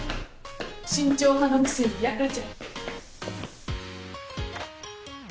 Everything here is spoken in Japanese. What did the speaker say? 慎重派のくせにやるじゃん。